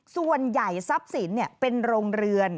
ส่วนใหญ่ทรัพย์สินเป็นโรงเรือน